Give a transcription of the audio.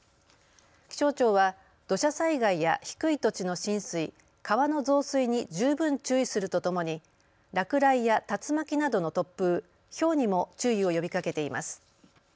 気象庁は土砂災害や低い土地の浸水、川の増水に十分注意するとともに落雷や竜巻などの突風、ひょうにも注意を呼びかけています。